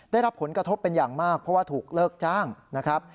ได้รับผลกระทบเป็นอย่างมากเพราะว่าถูกเลิกจ้างนะครับ